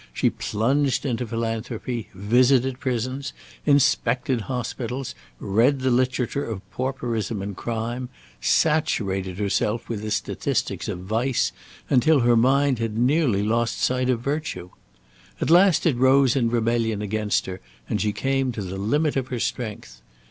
She plunged into philanthropy, visited prisons, inspected hospitals, read the literature of pauperism and crime, saturated herself with the statistics of vice, until her mind had nearly lost sight of virtue. At last it rose in rebellion against her, and she came to the limit of her strength.